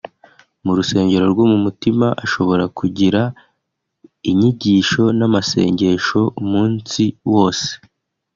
mu rusengero rwo mu mutima ashobora kugira inyigisho n’amasengesho umunsi wose